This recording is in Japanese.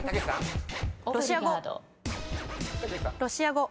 ロシア語。